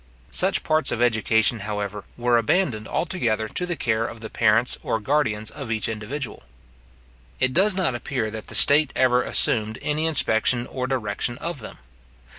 Such parts of education, however, were abandoned altogether to the care of the parents or guardians of each individual. It does not appear that the state ever assumed any inspection or direction of them.